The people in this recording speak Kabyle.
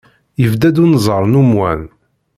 Yebda-d unẓar n umwan.